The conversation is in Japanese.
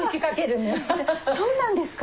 「そうなんですか？